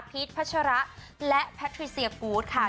พัชระและแพทริเซียกูธค่ะ